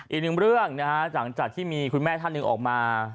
อีกหนึ่งเรื่องนะฮะหลังจากที่มีคุณแม่ท่านหนึ่งออกมา